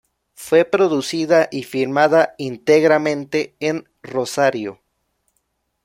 Fue producida y filmada íntegramente en Rosario.